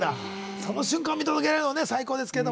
その瞬間を見届けるのも最高でございますけど。